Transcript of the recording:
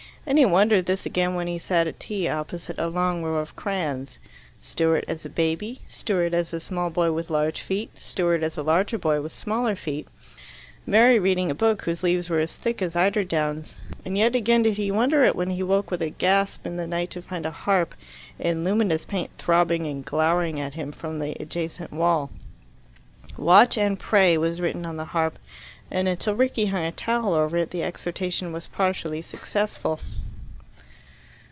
And he wondered this again when he sat at tea opposite a long row of crayons Stewart as a baby, Stewart as a small boy with large feet, Stewart as a larger boy with smaller feet, Mary reading a book whose leaves were as thick as eiderdowns. And yet again did he wonder it when he woke with a gasp in the night to find a harp in luminous paint throbbing and glowering at him from the adjacent wall. "Watch and pray" was written on the harp, and until Rickie hung a towel over it the exhortation was partially successful.